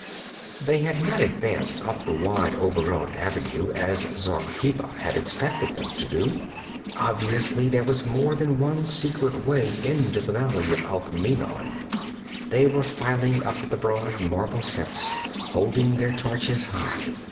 They had not advanced up the wide, overgrown avenue as Zargheba had expected them to do. Obviously there was more than one secret way into the valley of Alkmeenon. They were filing up the broad marble steps, holding their torches high.